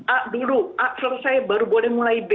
a dulu a selesai baru boleh mulai b